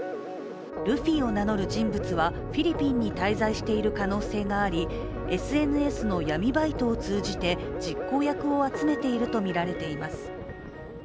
ルフィを名乗る人物はフィリピンに滞在している可能性がありＳＮＳの闇バイトを通じて実行役を集めているとみられています。